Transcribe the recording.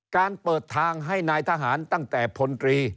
การเปิดทางให้นายทหารตั้งแต่พลตรี